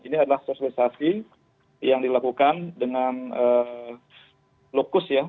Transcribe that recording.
ini adalah sosialisasi yang dilakukan dengan lokus ya